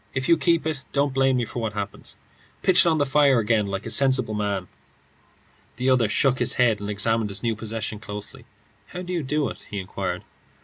If you keep it, don't blame me for what happens. Pitch it on the fire again like a sensible man." The other shook his head and examined his new possession closely. "How do you do it?" he inquired.